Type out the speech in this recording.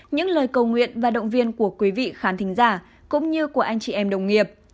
những lời cầu nguyện và động viên của quý vị khán thính giả cũng như của anh chị em đồng nghiệp